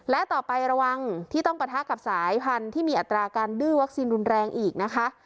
และต่อไประวังที่ต้องปะทะกับสายพันธุ์ที่มีอัตราการดื้อวัคซีนรุนแรงอีกนะคะ